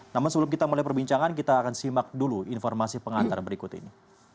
namun sebelum kita mulai perbincangan kita akan simak dulu informasi pengantar berikut ini